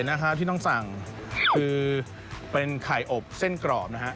อันนี้ที่พิเศษที่ต้องสั่งคือเป็นไข่อบเส้นกรอบนะฮะ